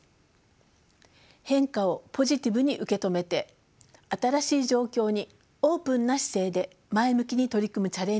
変化をポジティブに受け止めて新しい状況にオープンな姿勢で前向きに取り組むチャレンジ